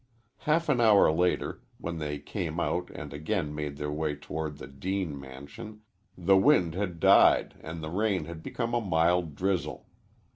Half an hour later, when they came out and again made their way toward the Deane mansion, the wind had died and the rain had become a mild drizzle.